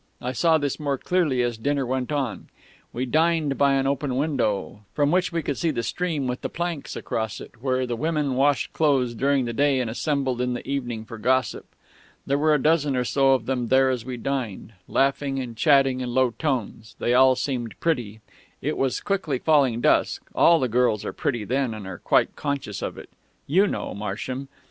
I saw this more clearly as dinner went on. We dined by an open window, from which we could see the stream with the planks across it where the women washed clothes during the day and assembled in the evening for gossip. There were a dozen or so of them there as we dined, laughing and chatting in low tones they all seemed pretty it was quickly falling dusk all the girls are pretty then, and are quite conscious of it you know, Marsham.